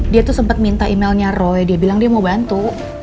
dia tuh sempat minta emailnya roy dia bilang dia mau bantu